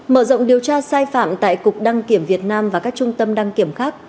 mở rộng điều tra sai phạm tại cục đăng kiểm việt nam và các trung tâm đăng kiểm khác